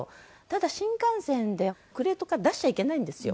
ただ新幹線ではクレートから出しちゃいけないんですよ。